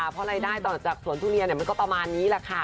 เพราะรายได้ต่อจากสวนทุเรียนมันก็ประมาณนี้แหละค่ะ